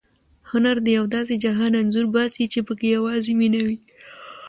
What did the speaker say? هنر د یو داسې جهان انځور باسي چې پکې یوازې مینه وي.